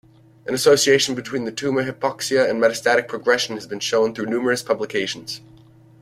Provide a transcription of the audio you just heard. An association between tumor hypoxia and metastatic progression has been shown through numerous publications.